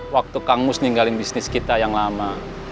waktu kang mus meninggalin bisnis kita yang lama